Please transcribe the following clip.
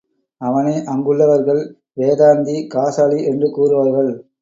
அவனை அங்குள்ளவர்கள் வேதாந்தி காசாலி என்று கூறுவார்கள்.